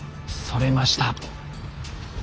それました。